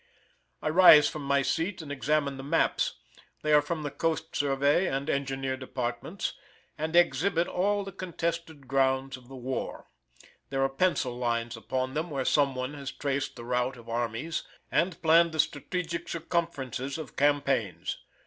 I rise from my seat and examine the maps; they are from the coast survey and engineer departments, and exhibit all the contested grounds of the war: there are pencil lines upon them where some one has traced the route of armies, and planned the strategic circumferences of campaigns.